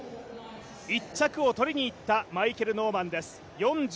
１着を取りにいったマイケル・ノーマンです。